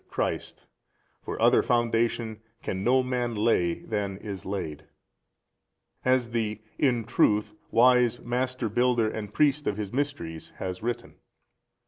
Christ: for other foundation can no man lay than is laid, as the in truth wise master builder and Priest of His Mysteries has written.